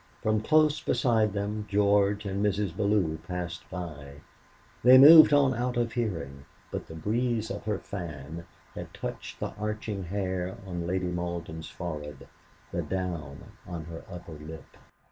From close beside them George and Mrs. Bellew passed by. They moved on out of hearing, but the breeze of her fan had touched the arching hair on Lady Malden's forehead, the down on her upper lip.